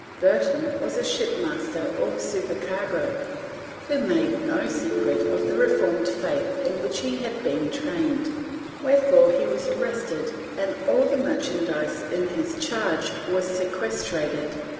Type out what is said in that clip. Burton was a shipmaster or supercargo, who made no secret of the reformed faith in which he had been trained, wherefore he was arrested and all the merchandize in his charge was sequestrated.